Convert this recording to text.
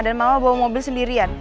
dan mama bawa mobil sendirian